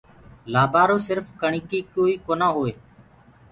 لآبآرو سِرڦ ڪڻڪي ڪوئي جونآ هوئي۔